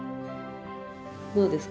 どうですか？